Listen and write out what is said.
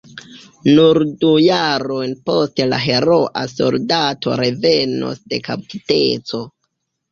Nur du jarojn poste la heroa soldato revenos de kaptiteco.